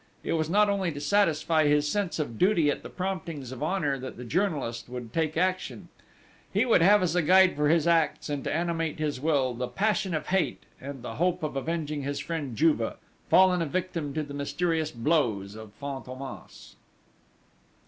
It was not only to satisfy his sense of duty at the promptings of honour that the journalist would take action: he would have as guide for his acts, and to animate his will, the passion of hate, and the hope of avenging his friend Juve, fallen a victim to the mysterious blows of Fantômas.